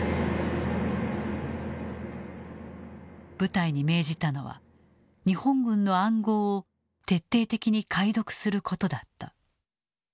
部隊に命じたのは日本軍の暗号を徹底的に解読することだった。